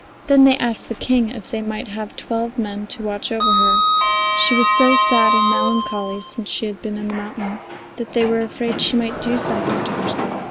They then asked the King if they might have twelve men to watch over her; she was so sad and melancholy since she had been in the mountain that they were afraid she might do something to herself.